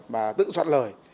bà tự soạn lời